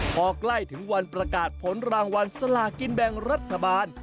พอใกล้ถึงวันประกาศผลรางวัลสลากินแบ่งรัฐบาล